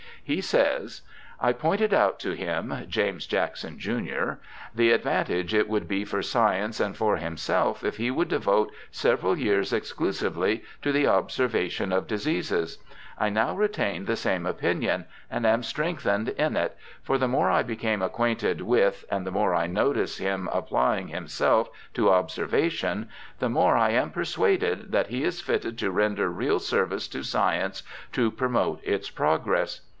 He says: ' I pointed out to him (James Jackson, jun.) the ad vantage it would be for science and for himself if he would devote several years exclusively to the obser vation of diseases. I now retain the same opinion, and am strengthened in it; for the more I become acquainted with, and the more I notice him applying himself to observation, the more I am persuaded that he is fitted to render real service to science, to promote its progress.